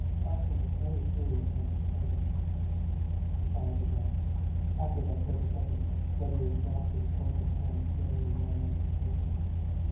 Farrington looked very serious and determined. The trial began. After about thirty seconds Weathers brought his opponent's hand slowly down on to the table.